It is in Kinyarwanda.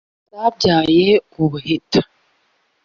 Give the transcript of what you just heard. zabyaye ubuheta)